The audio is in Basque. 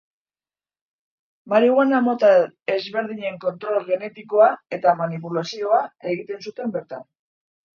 Marihuana mota ezberdinen kontrol genetikoa eta manipulazioa egiten zuten bertan.